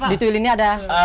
di tuyul ini ada